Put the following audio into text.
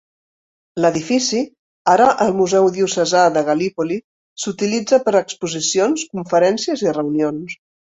L'edifici, ara el Museu Diocesà de Gallipoli s'utilitza per a exposicions, conferències i reunions.